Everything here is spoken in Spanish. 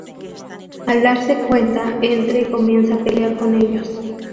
Al darse cuenta, entra y comienza a pelear con ellos.